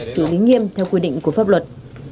xử lý nghiêm theo quy định của pháp luật